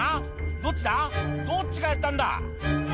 「どっちだどっちがやったんだ？」